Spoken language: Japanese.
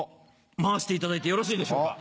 回していただいてよろしいでしょうか。